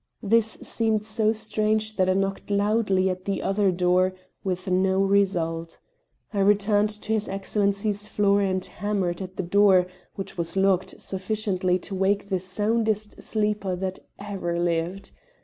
This seemed so strange that I knocked loudly at the other door, with no result. I returned to his Excellency's floor and hammered at the door, which was locked, sufficiently to wake the soundest sleeper that ever lived.